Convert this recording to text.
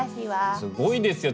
すごいですよね。